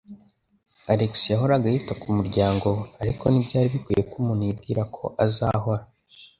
Alex yahoraga yita ku muryango we, ariko ntibyari bikwiye ko umuntu yibwira ko azahora?